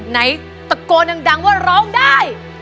ไหนตะโกนดังว่าร้องได้